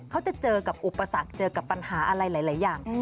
เขาจะเจอกับอุปสรรคเจอกับปัญหาอะไรหลายอย่าง